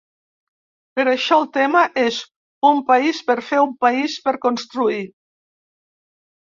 Per això el lema és ‘Un país per fer, un país per construir’.